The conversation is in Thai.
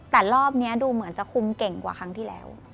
แต่รอบนี้ดูเหมือนจะคุมเก่งกว่าครั้งที่แล้ว